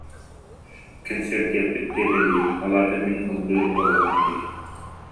Кэнсиэрдиэхпит диэтэ дии, ол аата мин ыллыыр буоллаҕым дии